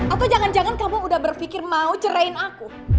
atau jangan jangan kamu udah berpikir mau cerahin aku